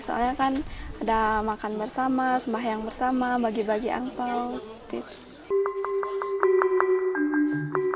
soalnya kan ada makan bersama sembahyang bersama bagi bagi angpao seperti itu